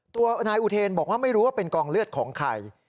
ตัวนายอุเทนบอกว่าไม่รู้ว่าเป็นกองเลือดของใคร